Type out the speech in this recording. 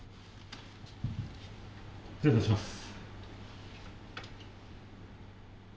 失礼いたします。